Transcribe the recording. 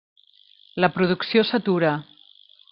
La producció s'atura.